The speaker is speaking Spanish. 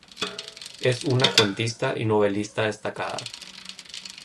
Es una cuentista y novelista destacada.